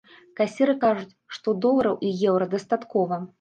Касіры кажуць, што долараў і еўра дастаткова.